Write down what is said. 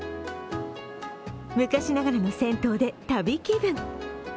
昔ながらの銭湯で旅気分。